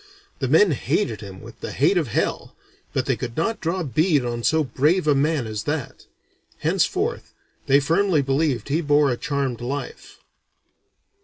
The men hated him with the hate of hell, but they could not draw bead on so brave a man as that. Henceforth they firmly believed he bore a charmed life."